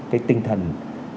cái tinh thần nhân ái